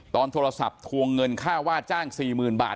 ตอนโทรศัพท์ทวงเงินค่าว่าจ้าง๔๐๐๐บาท